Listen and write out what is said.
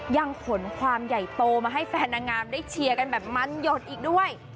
ยังขนความใหญ่โตมาให้แฟนนางงามได้เชียร์กันแบบมันหยดอีกด้วย